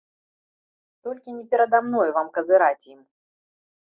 Толькі не перада мною вам казыраць ім!